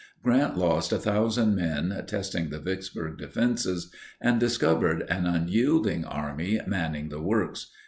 Grant lost 1,000 men testing the Vicksburg defenses and discovered an unyielding army manning the works.